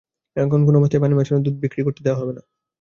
এখানে কোনো অবস্থাতেই পানি মেশানো দুধ বিক্রি করতে দেওয়া হবে না।